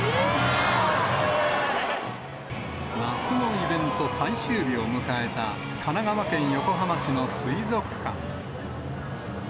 夏のイベント最終日を迎えた、神奈川県横浜市の水族館。